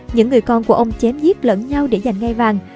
những người con của ông chém giết lẫn nhau để giành ngay vàng